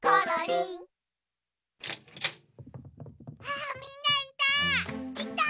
あみんないた！